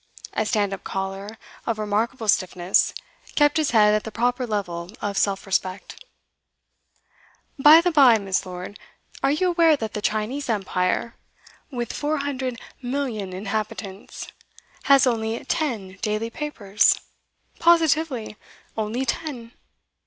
A stand up collar, of remarkable stiffness, kept his head at the proper level of self respect. 'By the bye, Miss. Lord, are you aware that the Chinese Empire, with four hundred MILLION inhabitants, has only ten daily papers? Positively; only ten.